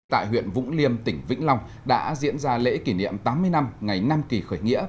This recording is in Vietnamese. tại huyện vũng liêm tỉnh vĩnh long đã diễn ra lễ kỷ niệm tám mươi năm ngày nam kỳ khởi nghĩa